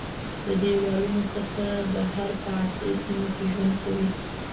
د دیوالونو څخه بهر په عصري سیمو کې ژوند کوي.